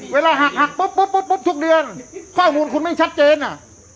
เวลาหักหักปุ๊บปุ๊บปุ๊บทุกเดือนข้อมูลคุณไม่ชัดเจนอ่ะ